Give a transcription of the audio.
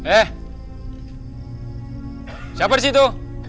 eh siapa disitu